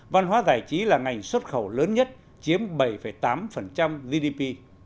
văn hóa giải trí là ngành xuất khẩu lớn nhất chiếm bảy tám gdp